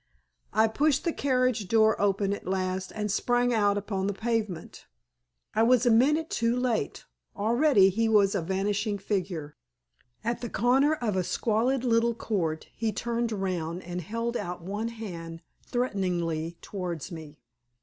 I pushed the carriage door open at last and sprang out upon the pavement. I was a minute too late already he was a vanishing figure. At the corner of a squalid little court he turned round and held out one hand threateningly towards me.